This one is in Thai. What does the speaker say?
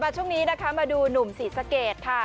ช่วงนี้มาดูหนุ่มสีสเกดค่ะ